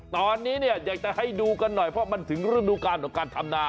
ตอนนี้เนี่ยอยากให้ดูกันหน่อยเพราะมันถึงเรื่องทุกขั้นการทำนา